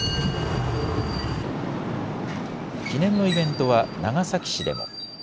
記念のイベントは長崎市でも。